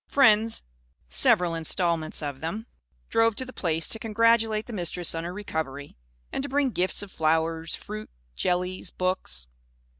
Friends several instalments of them drove to the Place to congratulate the Mistress on her recovery; and to bring gifts of flowers, fruit, jellies, books.